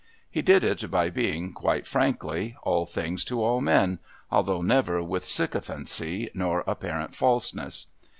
He did it by being, quite frankly, all things to all men, although never with sycophancy nor apparent falseness.